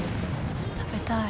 食べたい。